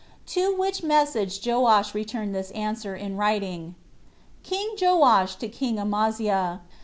To which message Joash returned this answer in writing: "King Joash to king Amaziah.